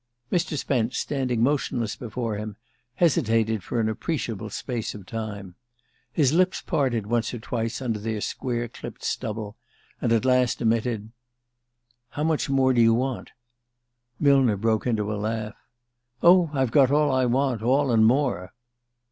Mr. Spence, standing motionless before him, hesitated for an appreciable space of time. His lips parted once or twice under their square clipped stubble, and at last emitted: "How much more do you want?" Millner broke into a laugh. "Oh, I've got all I want all and more!"